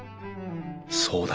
そうだ。